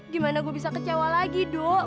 gimana gue bisa kecewa lagi dok